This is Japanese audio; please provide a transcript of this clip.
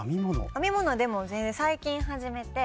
編み物はでも全然最近始めて。